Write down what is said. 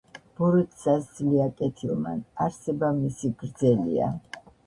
ბოროტსა სძლია კეთილმან, არსება მისი გრძელია.